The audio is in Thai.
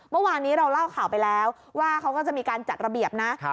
เมื่อวานนี้เราเล่าข่าวไปแล้วว่าเขาก็จะมีการจัดระเบียบนะ